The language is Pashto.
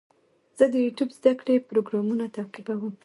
زه د یوټیوب زده کړې پروګرامونه تعقیبوم.